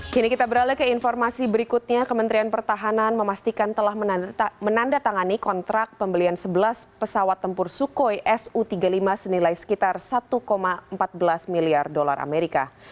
kini kita beralih ke informasi berikutnya kementerian pertahanan memastikan telah menandatangani kontrak pembelian sebelas pesawat tempur sukhoi su tiga puluh lima senilai sekitar satu empat belas miliar dolar amerika